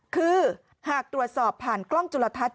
คือหากตรวจสอบผ่านกล้องจุลทัศน